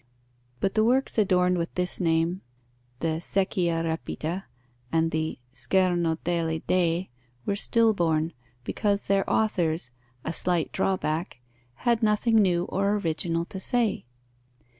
But the works adorned with this name (the Secchia rapita and the Scherno degli Dei) were still born, because their authors (a slight draw back) had nothing new or original to say.